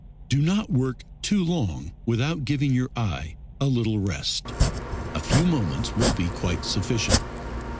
Do not work too long without giving your eye a little rest; a few moments will be quite sufficient.